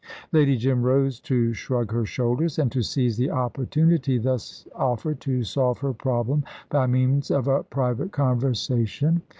Lady Jim rose to shrug her shoulders, and to seize the opportunity thus offered to solve her problem by means of a private conversation.